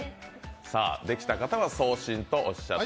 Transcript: できた方は「送信」とおっしゃって。